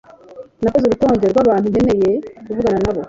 Nakoze urutonde rwabantu nkeneye kuvugana nabo.